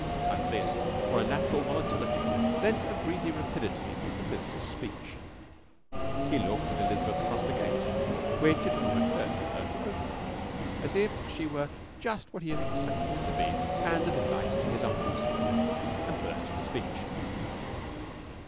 Either this or a natural volatility lent a breezy rapidity to the visitor's speech. He looked at Elizabeth across the gate, which it had not occurred to her to open, as if she were just what he had expected her to be and a delight to his eyes, and burst into speech.